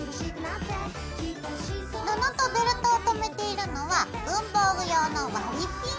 布とベルトをとめているのは文房具用の割りピン。